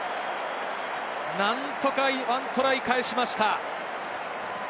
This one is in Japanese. なんとか１トライ返しました。